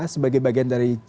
sebagai bagian dari g dua puluh